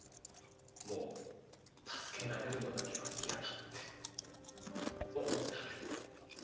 もう助けられるのだけは嫌だって思ったのに。